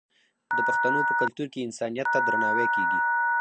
د پښتنو په کلتور کې انسانیت ته درناوی کیږي.